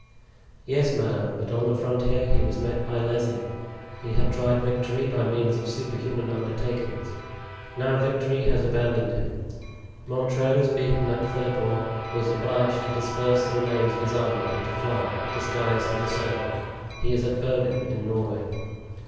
"Yes, madame; but on the frontier he was met by Lesly; he had tried victory by means of superhuman undertakings. Now victory has abandoned him. Montrose, beaten at Philiphaugh, was obliged to disperse the remains of his army and to fly, disguised as a servant. He is at Bergen, in Norway."